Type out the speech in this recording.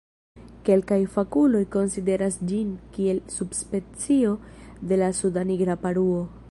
Kelkaj fakuloj konsideras ĝin kiel subspecio de la Suda nigra paruo.